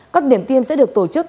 các điểm tiêm sẽ được tổ chức